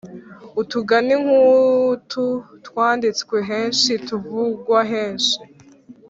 utugani nk’utu twanditswe henshi, tuvugwa henshi